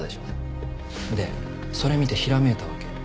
でそれ見てひらめいたわけ。